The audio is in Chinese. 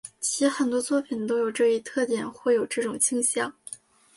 其很多作品都有这一特点或有这种倾向。